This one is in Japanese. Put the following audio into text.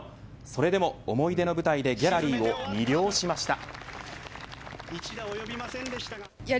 それでも思い出の舞台でギャラリーを魅了しました。